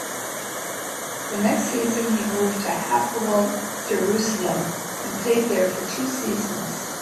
The next season, he moved to Hapoel Jerusalem and played there for two seasons.